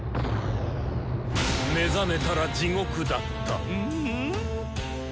目覚めたら地獄だった。